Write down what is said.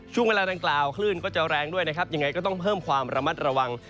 ช่วงเวลาดังกล่าวคลื่นก็จะแรงด้วยนะครับยังไงก็ต้องเพิ่มความระมัดระวัง